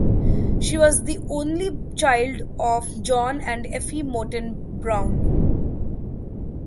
She was the only child of John and Effie Moten Browne.